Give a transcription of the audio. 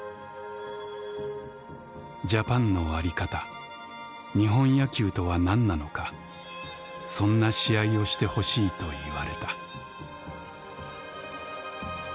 「ジャパンのあり方日本野球とは何なのかそんな試合をしてほしいと言われた」。